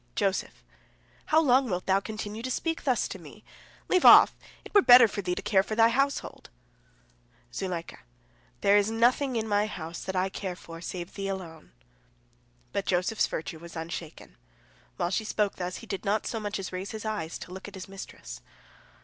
Joseph: "How long wilt thou continue to speak thus to me? Leave off! It were better for thee to care for thy household." Zuleika: "There is nothing in my house that I care for, save thee alone." But Joseph's virtue was unshaken. While she spoke thus, he did not so much as raise his eyes to look at his mistress.